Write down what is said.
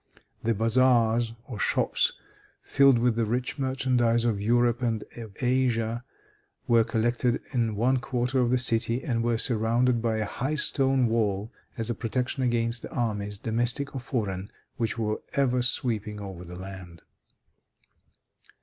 The bazaars or shops, filled with the rich merchandise of Europe and of Asia, were collected in one quarter of the city, and were surrounded by a high stone wall as a protection against the armies, domestic or foreign, which were ever sweeping over the land.